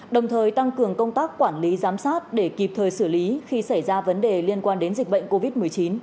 đồng thời tăng cường công tác quản lý giám sát để kịp thời xử lý khi xảy ra vấn đề liên quan đến dịch bệnh covid một mươi chín